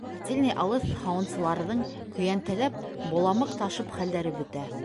Котельный алыҫ, һауынсыларҙың көйәнтәләп боламыҡ ташып хәлдәре бөтә.